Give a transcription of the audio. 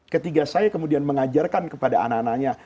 ketika saya kemudian mengajarkan kepada anak anaknya